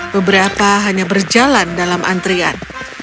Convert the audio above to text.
beberapa hanya berjalan dalam antrian